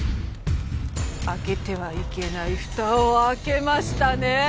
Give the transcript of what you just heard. あけてはいけない蓋をあけましたねぇ！